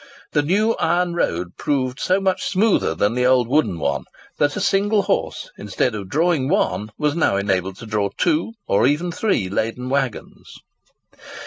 The new iron road proved so much smoother than the old wooden one, that a single horse, instead of drawing one, was now enabled to draw two, or even three, laden waggons.